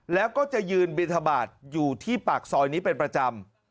แล้วก็จะยืนบิณฑบาตอยู่ที่ปากซอยนี้เป็นประจำ